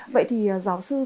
vậy thì giáo sư có